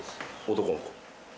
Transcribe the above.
男の子。